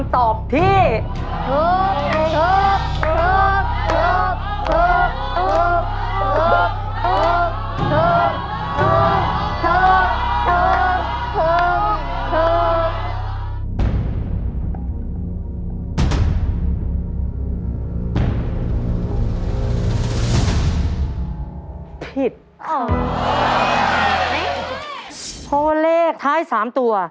โทรเลขท้าย๓ตัว